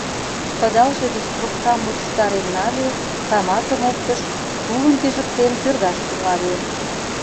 Кыдалже гыч трупкам мучыштарен нале, тамакым оптыш, тулым пижыктен, тӱргаш тӱҥале.